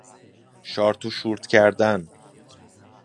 شارت و شورت کردن